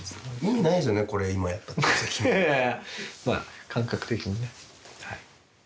まあ感覚的にねはい。